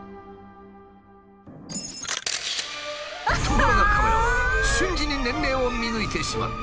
ところがカメラは瞬時に年齢を見抜いてしまった。